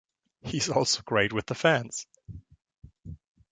He's also great with the fans.